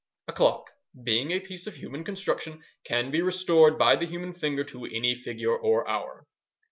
A clock, being a piece of human construction, can be restored by the human finger to any figure or hour."